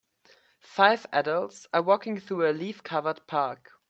Five adults are walking through a leafcovered park.